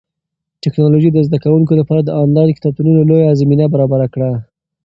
ټیکنالوژي د زده کوونکو لپاره د انلاین کتابتونونو لویه زمینه برابره کړه.